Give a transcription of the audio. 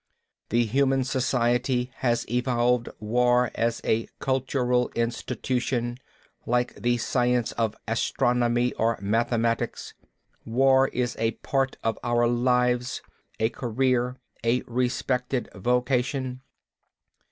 The human society has evolved war as a cultural institution, like the science of astronomy, or mathematics. War is a part of our lives, a career, a respected vocation.